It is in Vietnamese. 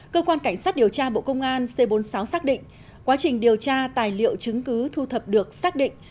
cơ quan cảnh sát điều tra bộ công an c bốn mươi sáu xác định quá trình điều tra tài liệu chứng cứ thu thập được xác định